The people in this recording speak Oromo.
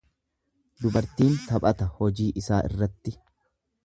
Dubartiin taphata hojii isaa irratti.